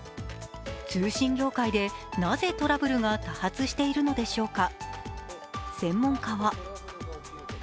通信業界でなぜトラブルが多発しているのでしょうか。